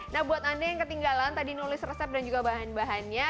nah buat anda yang ketinggalan tadi nulis resep dan juga bahan bahannya